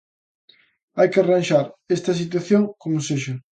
Hai que arranxar esta situación como sexa.